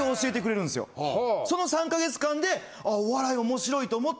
その３か月間で。